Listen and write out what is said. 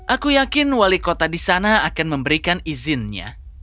aku yakin wali kota di sana akan memberikan izinnya